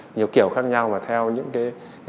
nhiều kiểu khác nhau và theo những cái